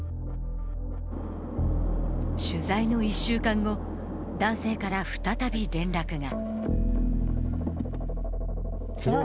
取材の１週間後、男性から再び連絡が。